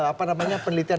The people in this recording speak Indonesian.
apa namanya penelitian